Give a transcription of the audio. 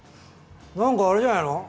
何かあれじゃないの？